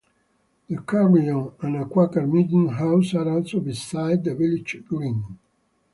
The carillon and a Quaker meeting house are also beside the village green.